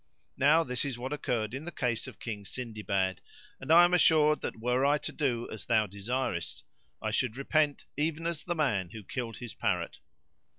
Now this is what occurred in the case of King Sindibad; and I am assured that were I to do as thou desirest I should repent even as the man who killed his parrot."